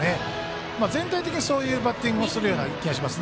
全体的にそういうバッティングをするような気がします。